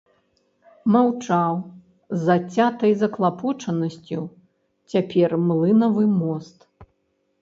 Маўчаў зацятай заклапочанасцю цяпер млынавы мост.